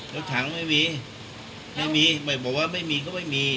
รถถังไม่มีไม่มีบอกว่าไม่มีก็ไม่มี